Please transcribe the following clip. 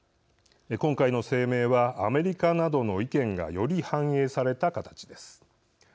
今回の声明はアメリカなどの意見がより反映された形です。